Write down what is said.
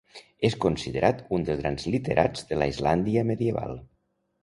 És considerat un dels grans literats de la Islàndia medieval.